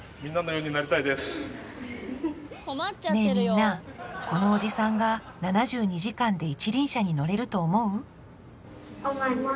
ねえみんなこのおじさんが７２時間で一輪車に乗れると思う？